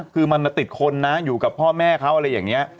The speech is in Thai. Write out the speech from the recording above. คือมันติดคนนะอยู่กับพ่อแม่เขาอะไรอย่างนี้